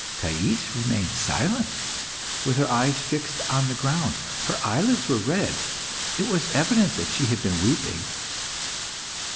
Thais remained silent, with her eyes fixed on the ground. Her eyelids were red, and it was evident she had been weeping.